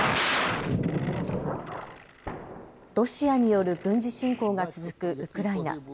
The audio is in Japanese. ロシアによる軍事侵攻が続くウクライナ。